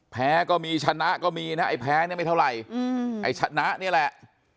แพ้ก็มีชนะก็มีน่ะแผนนี่ไม่เท่าไหร่แผนนี้แหละ